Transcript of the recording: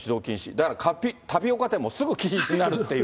だから、タピオカ店もすぐ禁止になるっていう。